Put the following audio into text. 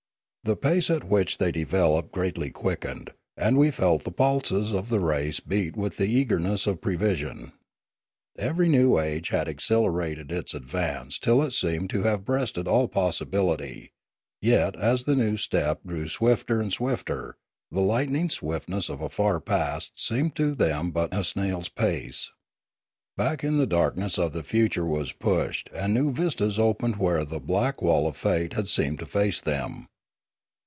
The pace at which they developed greatly quickened; and we felt the pulses of the race beat with the eagerness of prevision. Every new age had accelerated its advance till it seemed to have breasted all possibility, yet as the step grew swifter and swifter the lightning swiftness of a far past seemed to them but a snail's pace. Back the darkness of the future was pushed, and new vistas opened where the black wall of fate had seemed to face them.